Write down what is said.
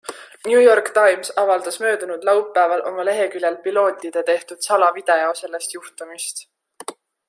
New York Times avaldas möödunud laupäeval oma leheküljel pilootide tehtud salavideo sellest juhtumist.